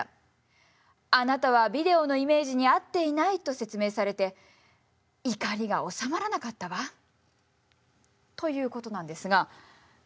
あなたはビデオのイメージに合っていないと説明されて怒りが収まらなかったわということなんですがシホかいせついん。